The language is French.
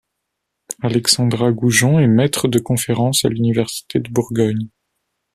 Alexandra Goujon est maître de conférence à l'université de Bourgogne.